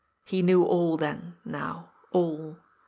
He knew all, then, now, all.